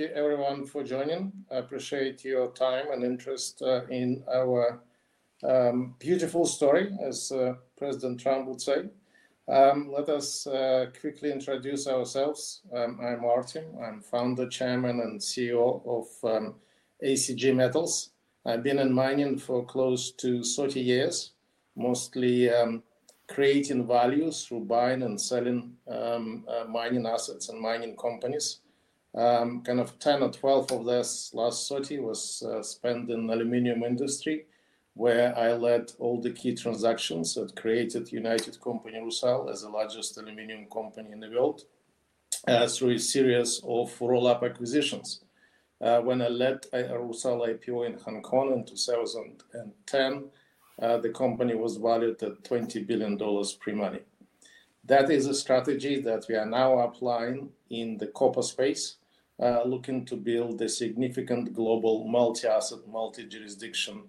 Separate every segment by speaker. Speaker 1: Thank you, everyone, for joining. I appreciate your time and interest in our beautiful story, as President Trump would say. Let us quickly introduce ourselves. I'm Artem. I'm founder, chairman, and CEO of ACG Metals. I've been in mining for close to 30 years, mostly creating value through buying and selling mining assets and mining companies. Kind of 10 or 12 of this last 30 was spent in the aluminum industry, where I led all the key transactions that created United Company RUSAL as the largest aluminum company in the world through a series of roll-up acquisitions. When I led RUSAL IPO in Hong Kong in 2010, the company was valued at $20 billion pre-money. That is a strategy that we are now applying in the copper space, looking to build a significant global multi-asset, multi-jurisdiction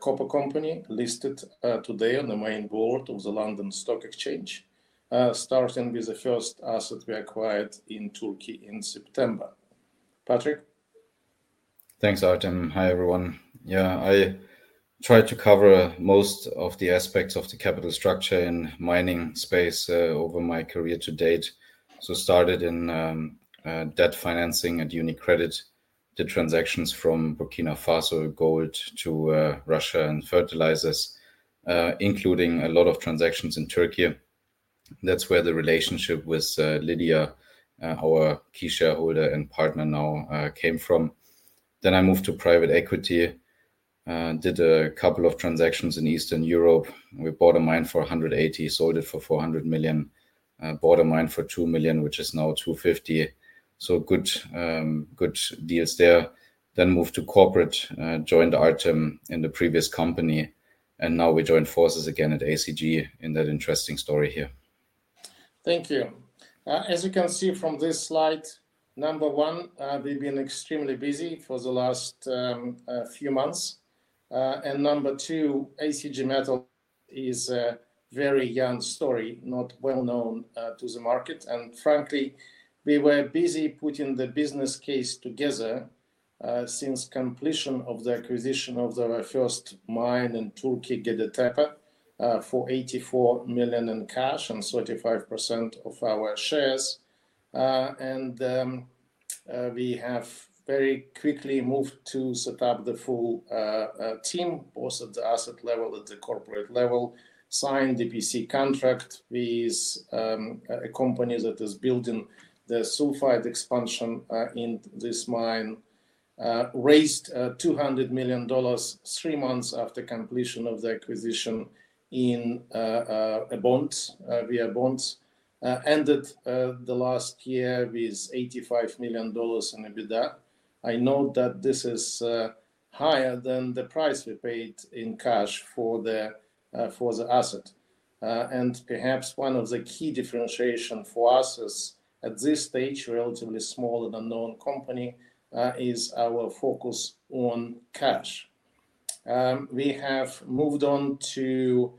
Speaker 1: copper company listed today on the main board of the London Stock Exchange, starting with the first asset we acquired in Turkey in September. Patrick.
Speaker 2: Thanks, Artem. Hi, everyone. Yeah, I tried to cover most of the aspects of the capital structure in the mining space over my career to date. I started in debt financing at UniCredit, did transactions from Burkina Faso gold to Russia and fertilizers, including a lot of transactions in Turkey. That is where the relationship with Lydia, our key shareholder and partner now, came from. I moved to private equity, did a couple of transactions in Eastern Europe. We bought a mine for 180 million, sold it for 400 million, bought a mine for 2 million, which is now 250 million. Good deals there. I moved to corporate, joined Artem in the previous company. Now we joined forces again at ACG in that interesting story here.
Speaker 1: Thank you. As you can see from this slide, number one, we've been extremely busy for the last few months. Number two, ACG Metals is a very young story, not well known to the market. Frankly, we were busy putting the business case together since completion of the acquisition of the first mine in Turkey, Gediktepe, for 84 million in cash and 35% of our shares. We have very quickly moved to set up the full team, both at the asset level and the corporate level, signed the EPC contract with a company that is building the sulfide expansion in this mine, raised $200 million three months after completion of the acquisition in bonds. We are bonds. Ended the last year with $85 million in EBITDA. I know that this is higher than the price we paid in cash for the asset. Perhaps one of the key differentiations for us at this stage, relatively small and unknown company, is our focus on cash. We have moved on to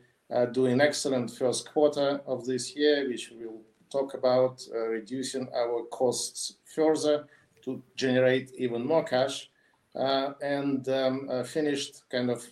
Speaker 1: doing excellent First quarter of this year, which we will talk about, reducing our costs further to generate even more cash. We finished kind of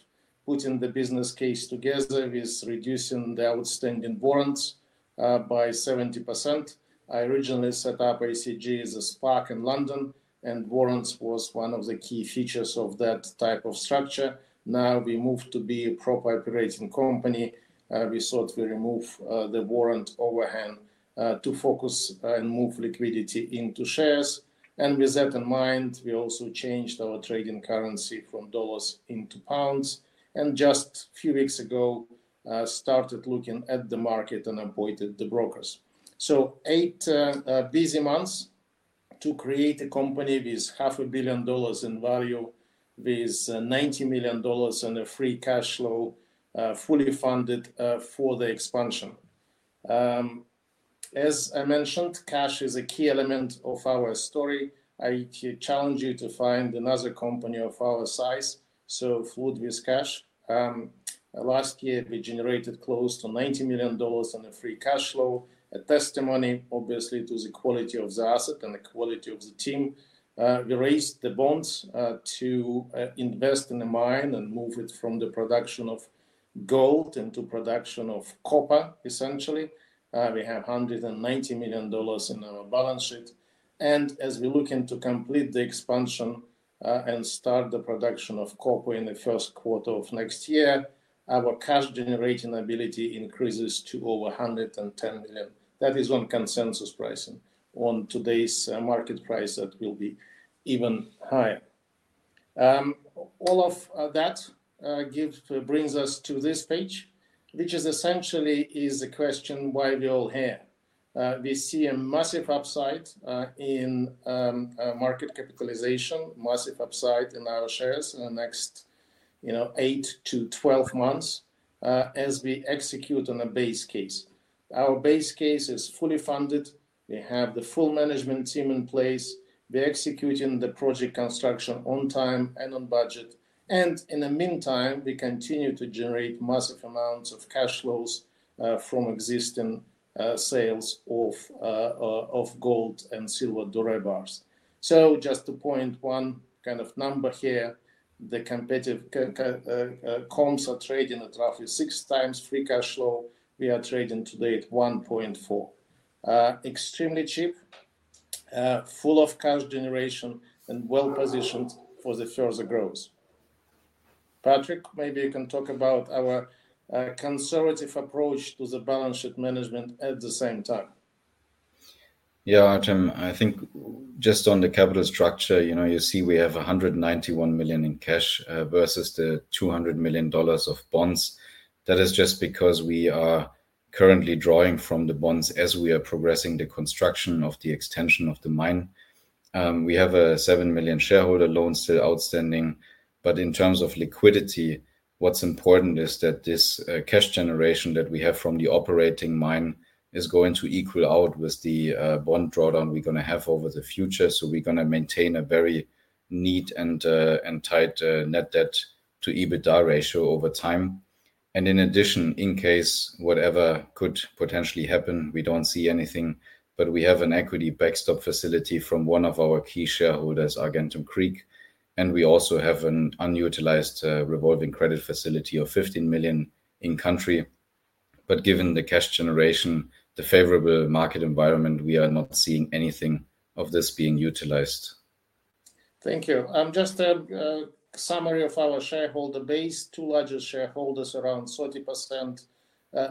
Speaker 1: putting the business case together with reducing the outstanding warrants by 70%. I originally set up ACG as a SPAC in London, and warrants was one of the key features of that type of structure. Now we moved to be a proper operating company. We thought we remove the warrant overhang to focus and move liquidity into shares. With that in mind, we also changed our trading currency from dollars into pounds. Just a few weeks ago, we started looking at the market and appointed the brokers. Eight busy months to create a company with half a billion dollars in value, with $90 million in free cash flow, fully funded for the expansion. As I mentioned, cash is a key element of our story. I challenge you to find another company of our size, so fluid with cash. Last year, we generated close to $90 million in free cash flow, a testimony, obviously, to the quality of the asset and the quality of the team. We raised the bonds to invest in the mine and move it from the production of gold into production of copper, essentially. We have $190 million in our balance sheet. As we look to complete the expansion and start the production of copper in the First quarter of next year, our cash generating ability increases to over $110 million. That is on consensus pricing. On today's market price, that will be even higher. All of that brings us to this page, which is essentially the question why we all here. We see a massive upside in market capitalization, massive upside in our shares in the next 8 to 12 months as we execute on a base case. Our base case is fully funded. We have the full management team in place. We are executing the project construction on time and on budget. In the meantime, we continue to generate massive amounts of cash flows from existing sales of gold and silver Doré bars. Just to point one kind of number here, the competitive comms are trading at roughly six times free cash flow. We are trading today at 1.4. Extremely cheap, full of cash generation, and well positioned for the further growth. Patrick, maybe you can talk about our conservative approach to the balance sheet management at the same time.
Speaker 3: Yeah, Artem, I think just on the capital structure, you see we have 191 million in cash versus the 200 million of bonds. That is just because we are currently drawing from the bonds as we are progressing the construction of the extension of the mine. We have a 7 million shareholder loan still outstanding. In terms of liquidity, what's important is that this cash generation that we have from the operating mine is going to equal out with the bond drawdown we're going to have over the future. We are going to maintain a very neat and tight net debt to EBITDA ratio over time. In addition, in case whatever could potentially happen, we do not see anything. We have an equity backstop facility from one of our key shareholders, Argentem Creek. We also have an unutilized revolving credit facility of 15 million in country. Given the cash generation, the favorable market environment, we are not seeing anything of this being utilized.
Speaker 1: Thank you. Just a summary of our shareholder base. Two largest shareholders around 30%.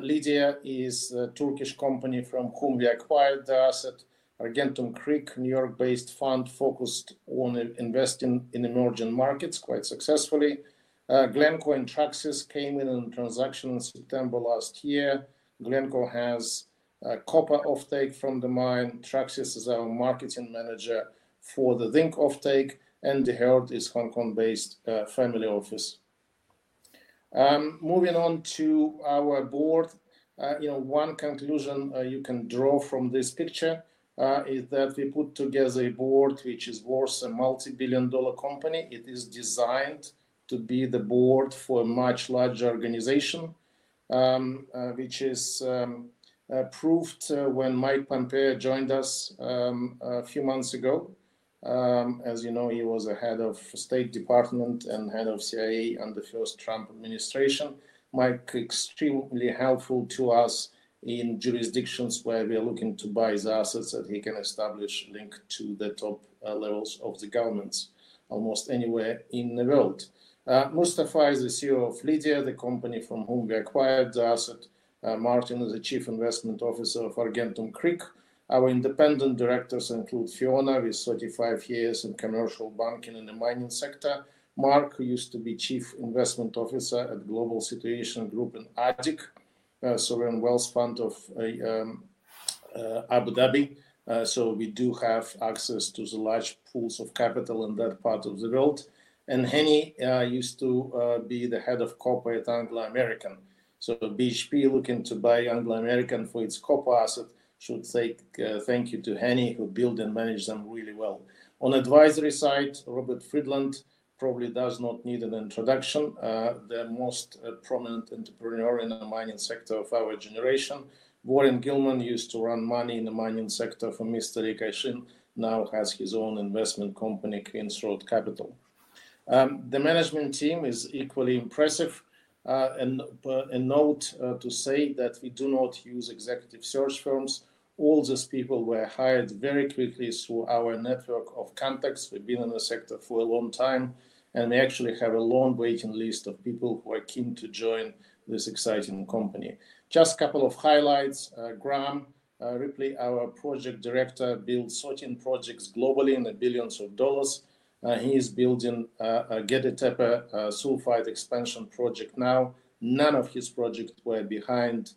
Speaker 1: Lydia is a Turkish company from whom we acquired the asset. Argentem Creek, New York-based fund focused on investing in emerging markets quite successfully. Glencore and Traxys came in on transaction in September last year. Glencore has copper offtake from the mine. Traxys is our marketing manager for the zinc offtake. DeHert is Hong Kong-based family office. Moving on to our board. One conclusion you can draw from this picture is that we put together a board which is worth a multi-billion dollar company. It is designed to be the board for a much larger organization, which is proved when Mike Pompeo joined us a few months ago. As you know, he was head of State Department and head of CIA under the first Trump administration. Mike, extremely helpful to us in jurisdictions where we are looking to buy his assets that he can establish link to the top levels of the governments almost anywhere in the world. Mustafa is the CEO of Lydia, the company from whom we acquired the asset. Martin is the chief investment officer of Argentem Creek. Our independent directors include Fiona, with 35 years in commercial banking in the mining sector. Mark used to be chief investment officer at Global Strategic Group in ADIC, a sovereign wealth fund of Abu Dhabi. We do have access to the large pools of capital in that part of the world. Henny used to be the head of copper at Anglo American. BHP looking to buy Anglo American for its copper asset should say thank you to Henny, who built and managed them really well. On advisory side, Robert Friedland probably does not need an introduction. The most prominent entrepreneur in the mining sector of our generation, Warren Gilman, used to run money in the mining sector for Mr. Rick Ashin, now has his own investment company, Queens Road Capital. The management team is equally impressive. A note to say that we do not use executive search firms. All these people were hired very quickly through our network of contacts. We've been in the sector for a long time. We actually have a long waiting list of people who are keen to join this exciting company. Just a couple of highlights. Graham Ripley, our project director, built 13 projects globally in the billions of dollars. He is building a Gediktepe sulfide expansion project now. None of his projects were behind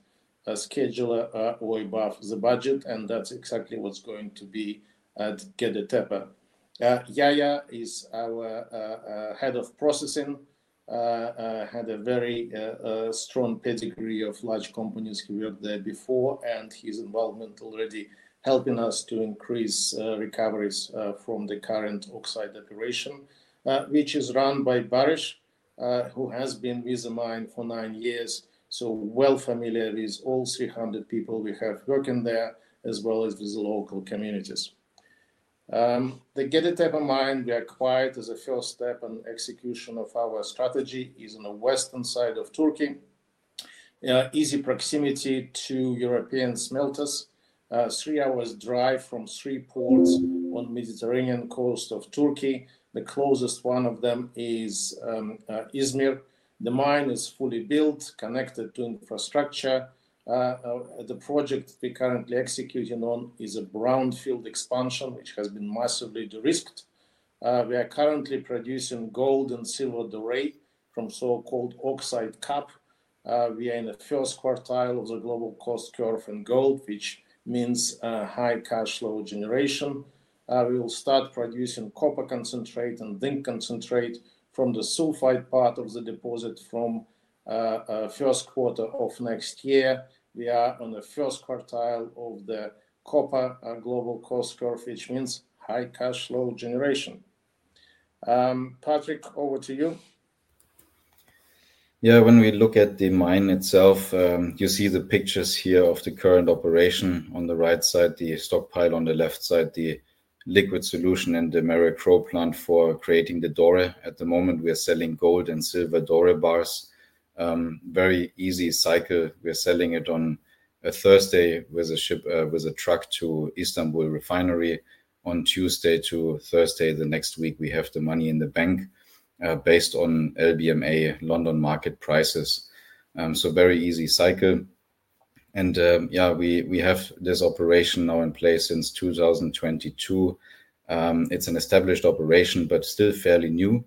Speaker 1: schedule or above the budget. That is exactly what is going to be at Gediktepe. Yaya is our head of processing. Had a very strong pedigree of large companies he worked at before. His involvement is already helping us to increase recoveries from the current oxide operation, which is run by Barış, who has been with the mine for nine years. Well familiar with all 300 people we have working there, as well as with the local communities. The Gediktepe mine we acquired as a first step in execution of our strategy is on the western side of Turkey. Easy proximity to European smelters. Three hours drive from three ports on the Mediterranean coast of Turkey. The closest one of them is Izmir. The mine is fully built, connected to infrastructure. The project we are currently executing on is a brownfield expansion, which has been massively de-risked. We are currently producing gold and silver Doré from so-called oxide cap. We are in the first quartile of the global cost curve in gold, which means high cash flow generation. We will start producing copper concentrate and zinc concentrate from the sulfide part of the deposit from First quarter of next year. We are on the first quartile of the copper global cost curve, which means high cash flow generation. Patrick, over to you.
Speaker 3: Yeah, when we look at the mine itself, you see the pictures here of the current operation. On the right side, the stockpile; on the left side, the liquid solution and the Maricro plant for creating the Doré. At the moment, we are selling gold and silver Doré bars. Very easy cycle. We're selling it on a Thursday with a truck to Istanbul refinery. On Tuesday to Thursday the next week, we have the money in the bank based on LBMA London market prices. Very easy cycle. Yeah, we have this operation now in place since 2022. It's an established operation, but still fairly new.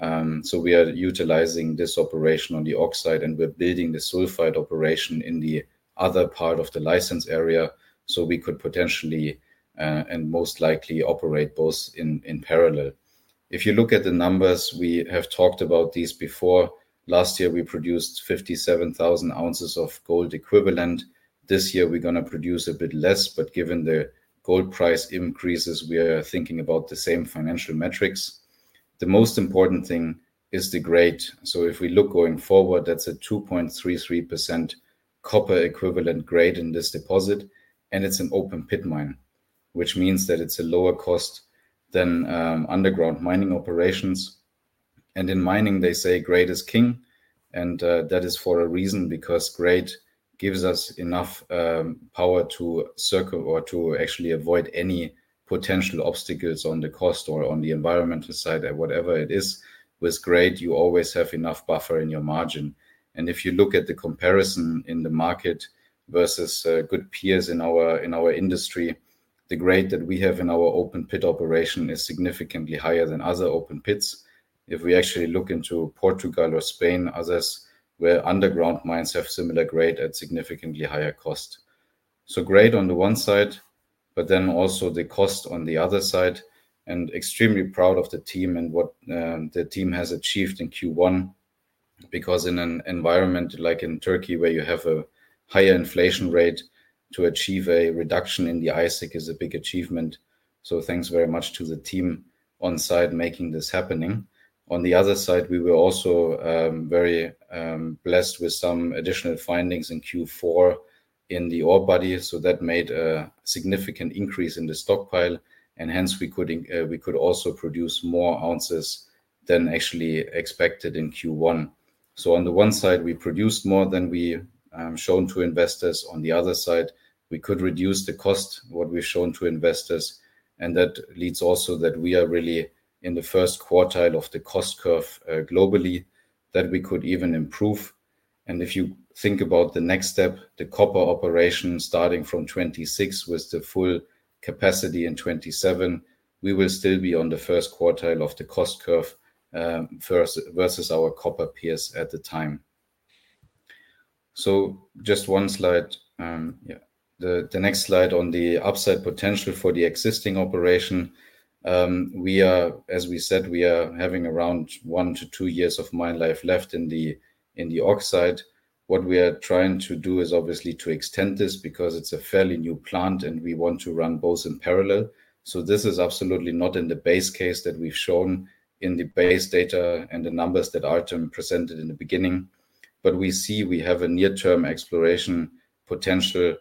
Speaker 3: We are utilizing this operation on the oxide. We're building the sulfide operation in the other part of the license area so we could potentially and most likely operate both in parallel. If you look at the numbers, we have talked about these before. Last year, we produced 57,000 ounces of gold equivalent. This year, we're going to produce a bit less. Given the gold price increases, we are thinking about the same financial metrics. The most important thing is the grade. If we look going forward, that's a 2.33% copper equivalent grade in this deposit. It is an open pit mine, which means that it is a lower cost than underground mining operations. In mining, they say grade is king. That is for a reason, because grade gives us enough power to circle or to actually avoid any potential obstacles on the cost or on the environmental side or whatever it is. With grade, you always have enough buffer in your margin. If you look at the comparison in the market versus good peers in our industry, the grade that we have in our open pit operation is significantly higher than other open pits. If we actually look into Portugal or Spain, others where underground mines have similar grade at significantly higher cost. Grade on the one side, but then also the cost on the other side. I am extremely proud of the team and what the team has achieved in Q1. In an environment like in Turkey, where you have a higher inflation rate, to achieve a reduction in the ISIC is a big achievement. Thanks very much to the team on site making this happen. On the other side, we were also very blessed with some additional findings in Q4 in the ore body. That made a significant increase in the stockpile. Hence, we could also produce more ounces than actually expected in Q1. On the one side, we produced more than we showed to investors. On the other side, we could reduce the cost, what we've shown to investors. That leads also that we are really in the first quartile of the cost curve globally that we could even improve. If you think about the next step, the copper operation starting from 2026 with the full capacity in 2027, we will still be on the first quartile of the cost curve versus our copper peers at the time. Just one slide. The next slide on the upside potential for the existing operation. As we said, we are having around one to two years of mine life left in the oxide. What we are trying to do is obviously to extend this because it's a fairly new plant. We want to run both in parallel. This is absolutely not in the base case that we've shown in the base data and the numbers that Artem presented in the beginning. We see we have a near-term exploration potential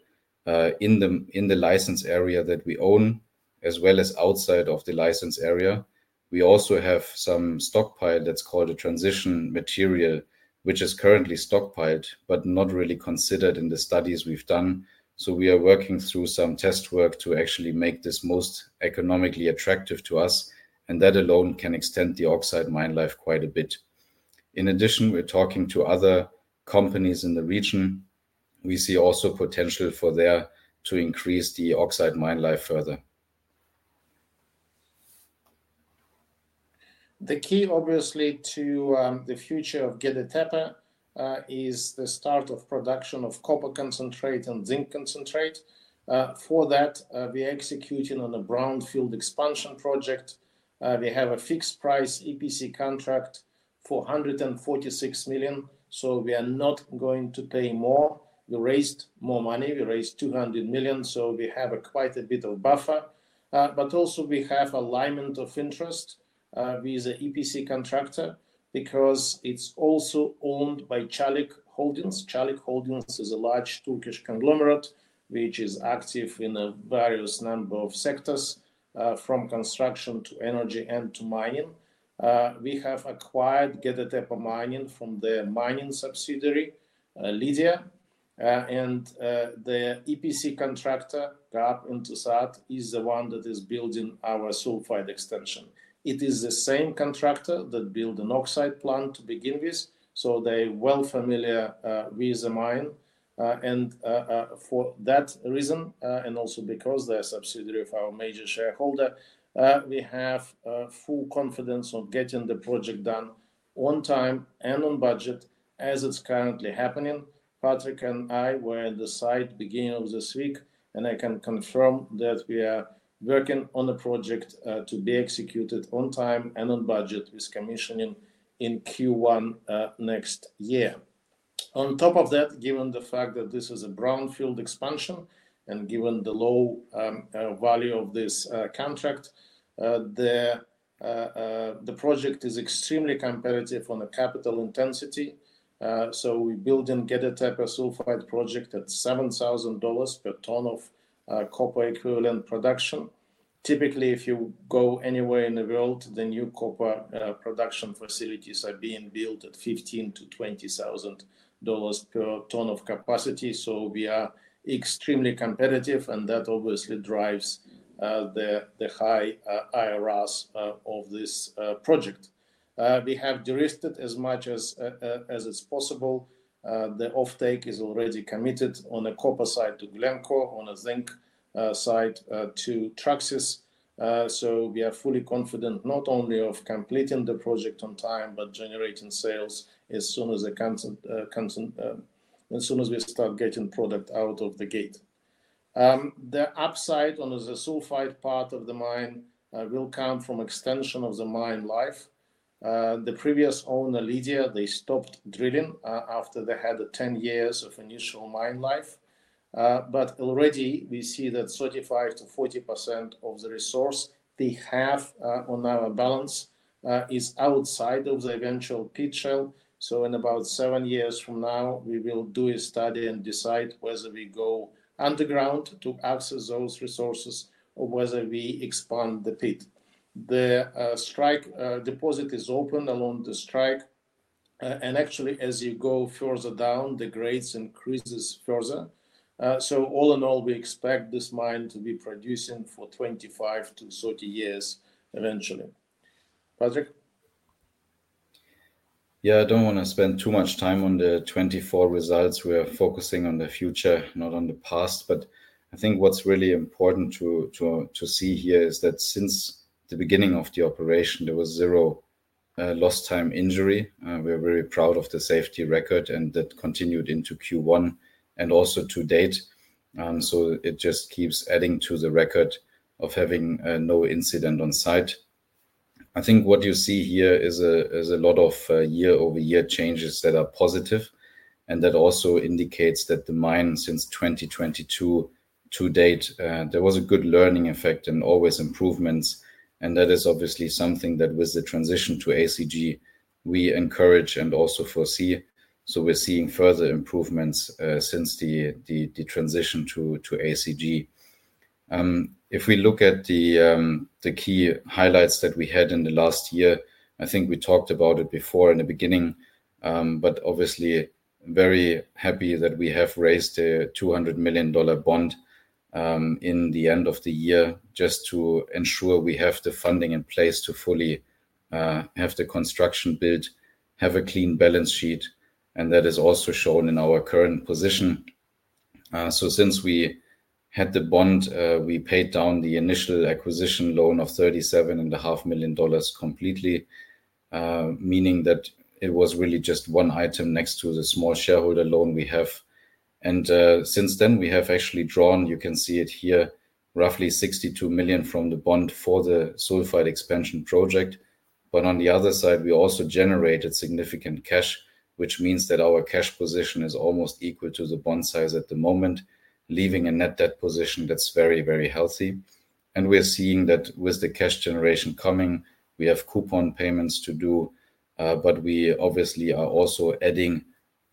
Speaker 3: in the license area that we own, as well as outside of the license area. We also have some stockpile that's called a transition material, which is currently stockpiled, but not really considered in the studies we've done. We are working through some test work to actually make this most economically attractive to us. That alone can extend the oxide mine life quite a bit. In addition, we're talking to other companies in the region. We see also potential for there to increase the oxide mine life further.
Speaker 1: The key, obviously, to the future of Gediktepe is the start of production of copper concentrate and zinc concentrate. For that, we are executing on a brownfield expansion project. We have a fixed price EPC contract for $146 million. We are not going to pay more. We raised more money. We raised $200 million. We have quite a bit of buffer. We also have alignment of interest with an EPC contractor because it is also owned by Çalık Holding. Çalık Holding is a large Turkish conglomerate, which is active in a various number of sectors, from construction to energy and to mining. We have acquired Gediktepe Mining from the mining subsidiary, Lydia. The EPC contractor, Garip İnşaat, is the one that is building our sulfide expansion. It is the same contractor that built an oxide plant to begin with. They are well familiar with the mine. For that reason, and also because they are a subsidiary of our major shareholder, we have full confidence on getting the project done on time and on budget, as it is currently happening. Patrick and I were on the site beginning of this week. I can confirm that we are working on a project to be executed on time and on budget with commissioning in Q1 next year. On top of that, given the fact that this is a brownfield expansion and given the low value of this contract, the project is extremely competitive on a capital intensity. We are building Gediktepe sulfide project at $7,000 per ton of copper equivalent production. Typically, if you go anywhere in the world, the new copper production facilities are being built at $15,000-$20,000 per ton of capacity. We are extremely competitive. That obviously drives the high IRRs of this project. We have de-risked it as much as it's possible. The offtake is already committed on the copper side to Glencore, on the zinc side to Trafigura. We are fully confident not only of completing the project on time, but generating sales as soon as we start getting product out of the gate. The upside on the sulfide part of the mine will come from extension of the mine life. The previous owner, Lydia Madencilik, they stopped drilling after they had 10 years of initial mine life. Already, we see that 35%-40% of the resource they have on our balance is outside of the eventual pit shell. In about seven years from now, we will do a study and decide whether we go underground to access those resources or whether we expand the pit. The strike deposit is open along the strike. Actually, as you go further down, the grades increase further. All in all, we expect this mine to be producing for 25-30 years eventually. Patrick.
Speaker 3: Yeah, I don't want to spend too much time on the 2024 results. We are focusing on the future, not on the past. I think what's really important to see here is that since the beginning of the operation, there was zero lost time injury. We are very proud of the safety record. That continued into Q1 and also to date. It just keeps adding to the record of having no incident on site. I think what you see here is a lot of year-over-year changes that are positive. That also indicates that the mine since 2022 to date, there was a good learning effect and always improvements. That is obviously something that with the transition to ACG, we encourage and also foresee. We're seeing further improvements since the transition to ACG. If we look at the key highlights that we had in the last year, I think we talked about it before in the beginning. Obviously, very happy that we have raised a 200 million bond in the end of the year just to ensure we have the funding in place to fully have the construction built, have a clean balance sheet. That is also shown in our current position. Since we had the bond, we paid down the initial acquisition loan of 37.5 million completely, meaning that it was really just one item next to the small shareholder loan we have. Since then, we have actually drawn, you can see it here, roughly 62 million from the bond for the sulfide expansion project. On the other side, we also generated significant cash, which means that our cash position is almost equal to the bond size at the moment, leaving a net debt position that is very, very healthy. We are seeing that with the cash generation coming, we have coupon payments to do. We obviously are also adding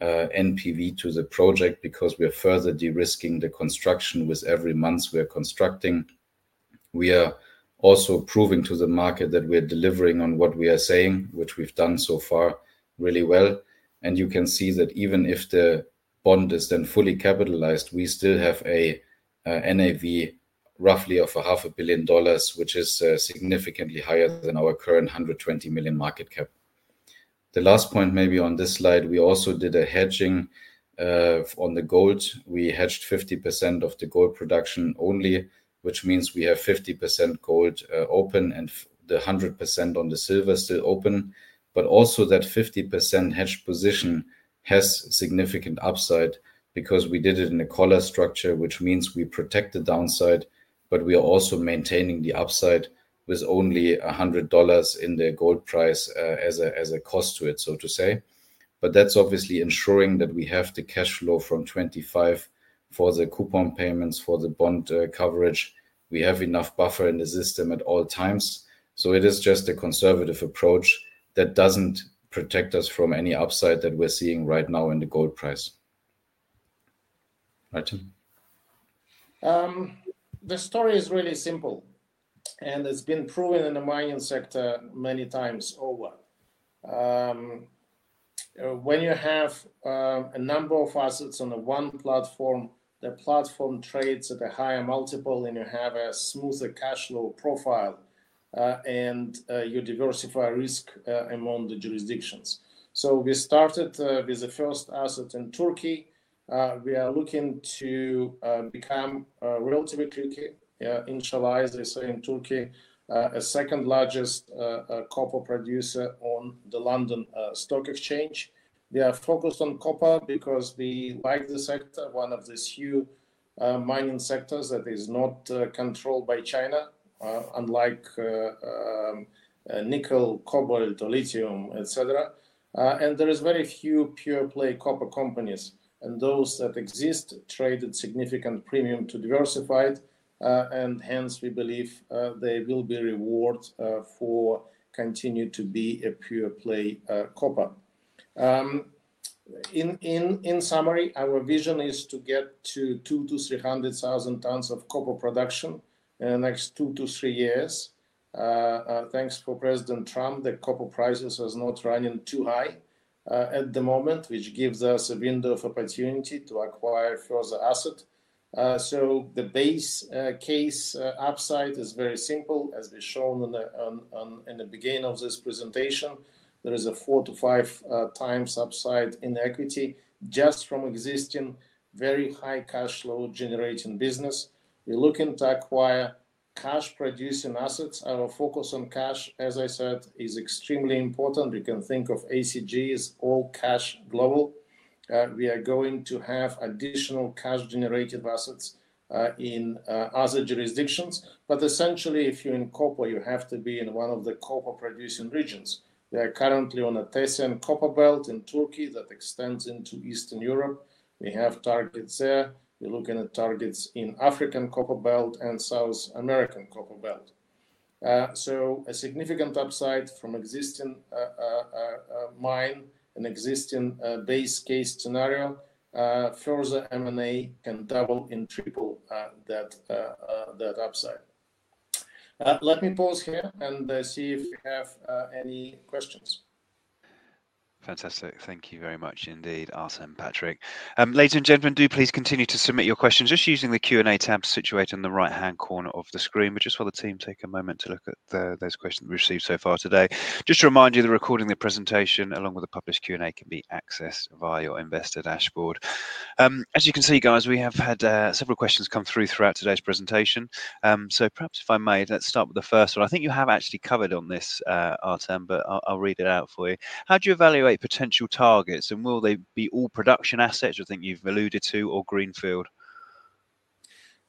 Speaker 3: NPV to the project because we are further de-risking the construction with every month we are constructing. We are also proving to the market that we are delivering on what we are saying, which we have done so far really well. You can see that even if the bond is then fully capitalized, we still have an NAV roughly of $500 million, which is significantly higher than our current 120 million market cap. The last point maybe on this slide, we also did a hedging on the gold. We hedged 50% of the gold production only, which means we have 50% gold open. The 100% on the silver is still open. That 50% hedged position has significant upside because we did it in a collar structure, which means we protect the downside. We are also maintaining the upside with only $100 in the gold price as a cost to it, so to say. That is obviously ensuring that we have the cash flow from 2025 for the coupon payments, for the bond coverage. We have enough buffer in the system at all times. It is just a conservative approach that does not protect us from any upside that we are seeing right now in the gold price.
Speaker 1: The story is really simple. And it's been proven in the mining sector many times over. When you have a number of assets on the one platform, the platform trades at a higher multiple. And you have a smoother cash flow profile. And you diversify risk among the jurisdictions. We started with the first asset in Turkey. We are looking to become relatively quickly, in Çalık, they say in Turkey, a second largest copper producer on the London Stock Exchange. We are focused on copper because we like the sector, one of the few mining sectors that is not controlled by China, unlike nickel, cobalt, or lithium, et cetera. There are very few pure play copper companies. And those that exist trade at significant premium to diversified. Hence, we believe there will be reward for continuing to be a pure play copper. In summary, our vision is to get to 200,000 to n300,000 tons of copper production in the next two to three years. Thanks for President Trump, the copper prices are not running too high at the moment, which gives us a window of opportunity to acquire further asset. The base case upside is very simple, as we've shown in the beginning of this presentation. There is a four to five times upside in equity just from existing very high cash flow generating business. We're looking to acquire cash producing assets. Our focus on cash, as I said, is extremely important. You can think of ACG as all cash global. We are going to have additional cash generated assets in other jurisdictions. Essentially, if you're in copper, you have to be in one of the copper producing regions. We are currently on a copper belt in Turkey that extends into Eastern Europe. We have targets there. We're looking at targets in African Copper Belt and South American Copper Belt. A significant upside from existing mine and existing base case scenario, further M&A can double and triple that upside. Let me pause here and see if we have any questions.
Speaker 3: Fantastic. Thank you very much indeed, Artem and Patrick. Ladies and gentlemen, do please continue to submit your questions just using the Q&A tab situated on the right-hand corner of the screen. We just want the team to take a moment to look at those questions we've received so far today. Just to remind you, the recording of the presentation, along with the published Q&A, can be accessed via your Investor Dashboard. As you can see, guys, we have had several questions come through throughout today's presentation. Perhaps if I may, let's start with the first one. I think you have actually covered on this, Artem, but I'll read it out for you. How do you evaluate potential targets? And will they be all production assets, which I think you've alluded to, or greenfield?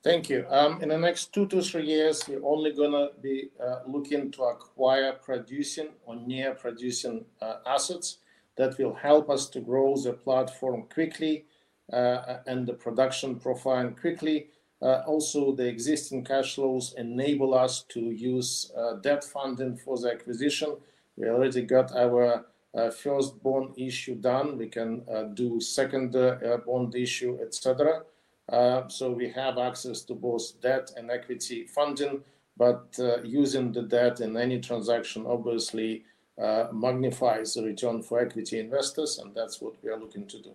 Speaker 1: Thank you. In the next two to three years, we're only going to be looking to acquire producing or near producing assets that will help us to grow the platform quickly and the production profile quickly. Also, the existing cash flows enable us to use debt funding for the acquisition. We already got our first bond issue done. We can do second bond issue, et cetera. We have access to both debt and equity funding. Using the debt in any transaction obviously magnifies the return for equity investors. That is what we are looking to do.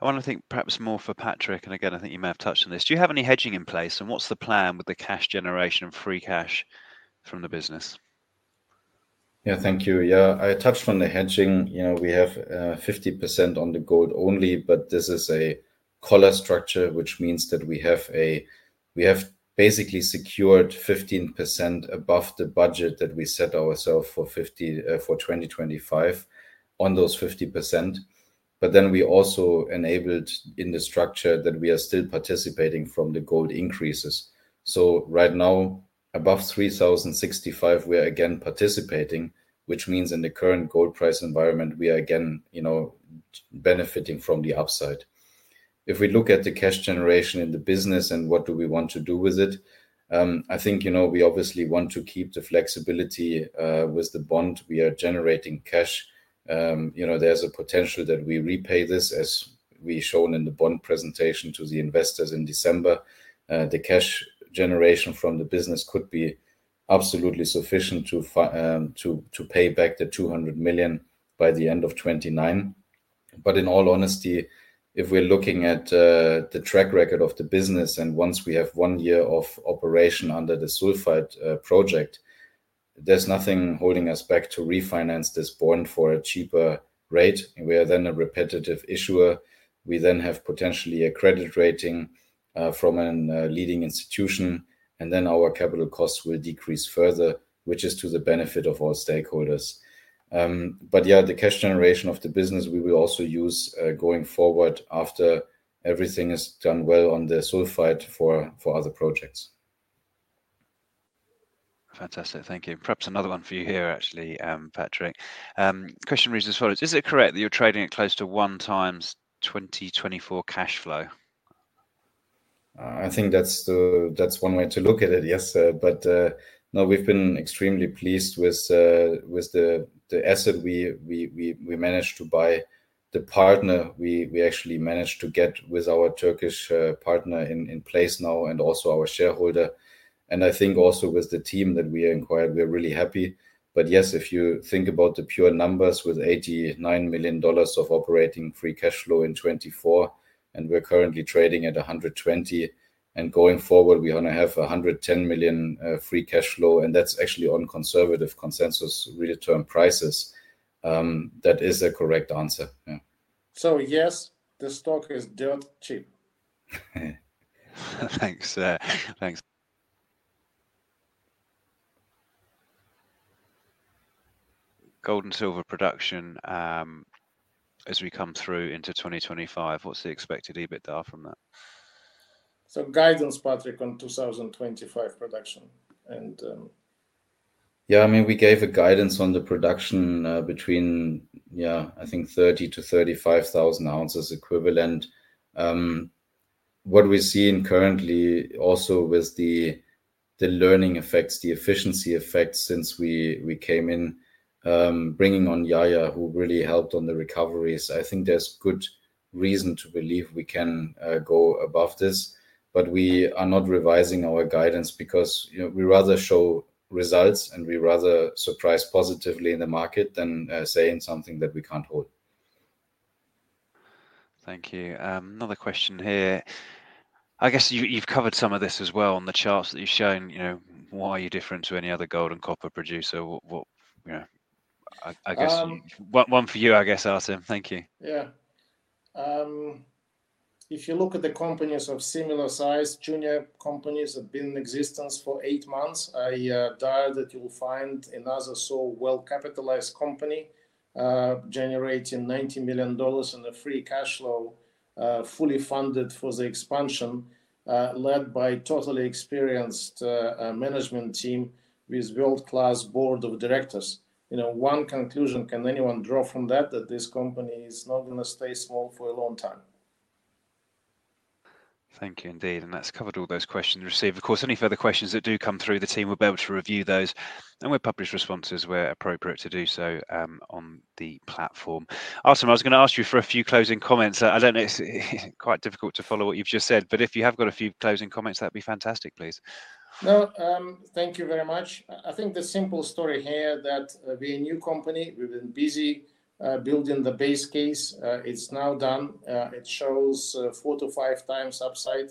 Speaker 3: I want to think perhaps more for Patrick. Again, I think you may have touched on this. Do you have any hedging in place? What's the plan with the cash generation and free cash from the business?
Speaker 2: Yeah, thank you. Yeah, I touched on the hedging. We have 50% on the gold only. This is a collar structure, which means that we have basically secured 15% above the budget that we set ourselves for 2025 on those 50%. We also enabled in the structure that we are still participating from the gold increases. Right now, above 3,065, we are again participating, which means in the current gold price environment, we are again benefiting from the upside. If we look at the cash generation in the business and what do we want to do with it, I think we obviously want to keep the flexibility with the bond. We are generating cash. There's a potential that we repay this, as we showed in the bond presentation to the investors in December. The cash generation from the business could be absolutely sufficient to pay back the 200 million by the end of 2029. In all honesty, if we're looking at the track record of the business and once we have one year of operation under the sulfide project, there's nothing holding us back to refinance this bond for a cheaper rate. We are then a repetitive issuer. We then have potentially a credit rating from a leading institution. Our capital costs will decrease further, which is to the benefit of all stakeholders. Yeah, the cash generation of the business, we will also use going forward after everything is done well on the sulfide for other projects.
Speaker 3: Fantastic. Thank you. Perhaps another one for you here, actually, Patrick. Question reads as follows. Is it correct that you're trading at close to one times 2024 cash flow?
Speaker 2: I think that's one way to look at it, yes. No, we've been extremely pleased with the asset we managed to buy, the partner we actually managed to get with our Turkish partner in place now, and also our shareholder. I think also with the team that we acquired, we're really happy. Yes, if you think about the pure numbers with $89 million of operating free cash flow in 2024, and we're currently trading at 120, and going forward, we're going to have $110 million free cash flow. That's actually on conservative consensus real-term prices. That is a correct answer. Yeah.
Speaker 1: Yes, the stock is dirt cheap.
Speaker 3: Thanks. Gold and silver production, as we come through into 2025, what's the expected EBITDA from that?
Speaker 1: Some guidance, Patrick, on 2025 production.
Speaker 2: Yeah, I mean, we gave a guidance on the production between, yeah, I think 30,000 to 35,000 ounces equivalent. What we're seeing currently, also with the learning effects, the efficiency effects since we came in, bringing on Yaya, who really helped on the recoveries, I think there's good reason to believe we can go above this. We are not revising our guidance because we rather show results. We rather surprise positively in the market than saying something that we can't hold.
Speaker 3: Thank you. Another question here. I guess you've covered some of this as well on the charts that you've shown. Why are you different to any other gold and copper producer? I guess one for you, I guess, Artem. Thank you.
Speaker 1: Yeah. If you look at the companies of similar size, junior companies have been in existence for eight months. I doubt that you'll find another so well-capitalized company generating $90 million in free cash flow, fully funded for the expansion, led by a totally experienced management team with a world-class board of directors. One conclusion can anyone draw from that, that this company is not going to stay small for a long time?
Speaker 3: Thank you indeed. That has covered all those questions received. Of course, any further questions that do come through, the team will be able to review those. We will publish responses where appropriate to do so on the platform. Artem, I was going to ask you for a few closing comments. I do not know. It is quite difficult to follow what you have just said. If you have got a few closing comments, that would be fantastic, please.
Speaker 1: No, thank you very much. I think the simple story here is that we're a new company. We've been busy building the base case. It's now done. It shows four to five times upside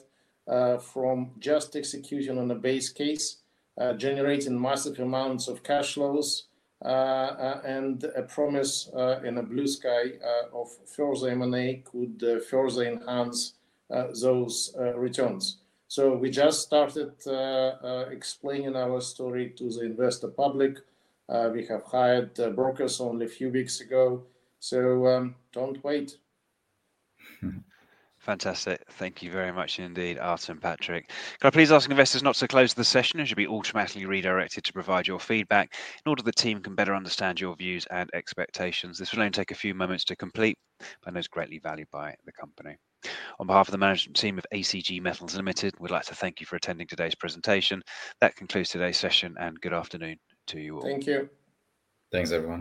Speaker 1: from just execution on the base case, generating massive amounts of cash flows. And a promise in a blue sky of further M&A could further enhance those returns. We just started explaining our story to the investor public. We have hired brokers only a few weeks ago. Do not wait.
Speaker 3: Fantastic. Thank you very much indeed, Artem and Patrick. Can I please ask investors not to close the session? It should be automatically redirected to provide your feedback in order for the team to better understand your views and expectations. This will only take a few moments to complete, and it is greatly valued by the company. On behalf of the management team of ACG Metals Limited, we'd like to thank you for attending today's presentation. That concludes today's session. Good afternoon to you all.
Speaker 1: Thank you.
Speaker 3: Thanks everyone.